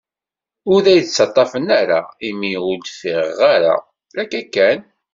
Ur d ay-ttaṭafen ara, imi ur d-ffiɣeɣ ara, akka kan.